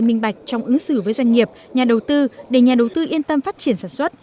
minh bạch trong ứng xử với doanh nghiệp nhà đầu tư để nhà đầu tư yên tâm phát triển sản xuất